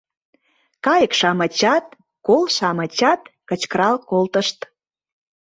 — кайык-шамычат, кол-шамычат кычкырал колтышт.